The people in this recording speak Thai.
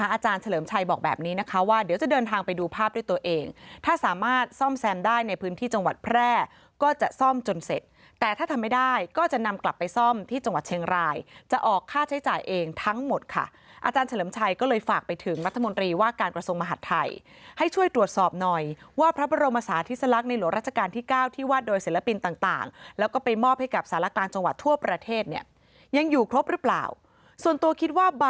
อาจารย์เฉลมชัยบอกแบบนี้นะคะว่าเดี๋ยวจะเดินทางไปดูภาพด้วยตัวเองถ้าสามารถซ่อมแซมได้ในพื้นที่จังหวัดแพร่ก็จะซ่อมจนเสร็จแต่ถ้าทำไม่ได้ก็จะนำกลับไปซ่อมที่จังหวัดเชียงรายจะออกค่าใช้จ่ายเองทั้งหมดค่ะอาจารย์เฉลมชัยก็เลยฝากไปถึงรัฐมนตรีว่าการกระทรงมหาดไทยให้ช่วยตรวจสอบ